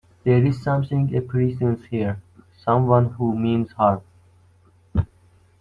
There is something — a presence here — some one who means harm!